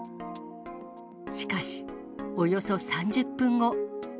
しかし、およそ３０分後。